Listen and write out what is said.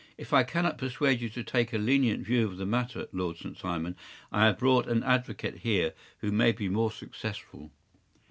If I cannot persuade you to take a lenient view of the matter, Lord St. Simon, I have brought an advocate here who may be more successful.